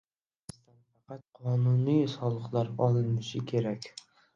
Biznesdan faqat qonuniy soliqlar olinishi kerak